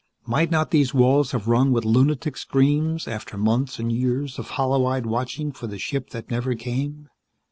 Might not these walls have rung with lunatic screams after months and years of hollow eyed watching for the ship that never came?